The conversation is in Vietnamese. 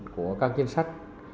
của các chính sách